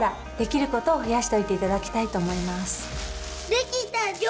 できたよ！